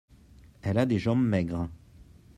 elle a des jambes maigres.